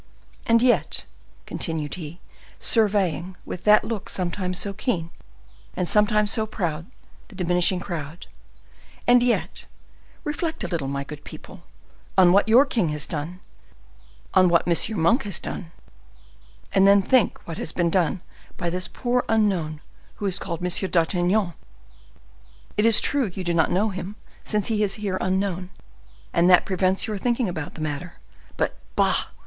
And yet," continued he, surveying, with that look sometimes so keen and sometimes so proud, the diminishing crowd,—"and yet, reflect a little, my good people, on what your king has done, on what M. Monk has done, and then think what has been done by this poor unknown, who is called M. d'Artagnan! It is true you do not know him, since he is here unknown, and that prevents your thinking about the matter! But, bah!